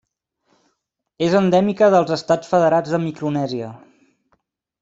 És endèmica dels Estats Federats de Micronèsia.